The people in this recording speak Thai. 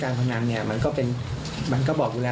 การรักรอบเล่นการพลังงานโดดูแล